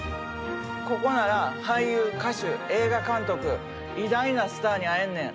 ここなら俳優、歌手、映画監督偉大なスターに会えんねん。